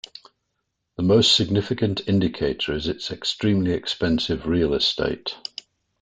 The most significant indicator is its extremely expensive real estate.